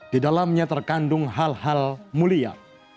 di dalamnya terkandung hal hal mulia